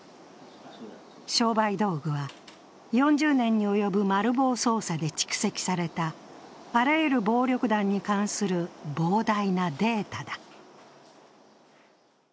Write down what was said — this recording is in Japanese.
商売道具は、４０年に及ぶマル暴捜査で蓄積されたあらゆる暴力団に関する膨大なデータだ。